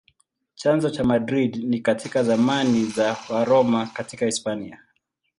Chanzo cha Madrid ni katika zamani za Waroma katika Hispania.